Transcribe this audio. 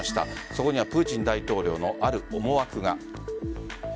そこにはプーチン大統領のある思惑が。